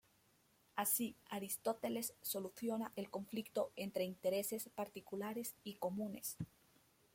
Así Aristóteles soluciona el conflicto entre intereses particulares y comunes.